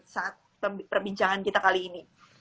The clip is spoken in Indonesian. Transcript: saat perbincangan kita kali ini